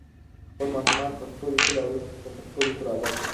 خپل ماشومان په پښتو لیکلو عادت کړئ.